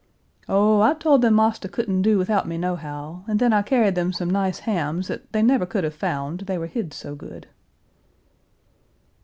"Oh, I told them marster couldn't do without me nohow; and then I carried them some nice hams that they never could have found, they were hid so good."